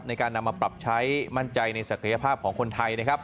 ในการนำมาปรับใช้มั่นใจในศักยภาพของคนไทยนะครับ